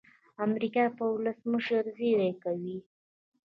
امریکا پر ولسمشر زېری کوي.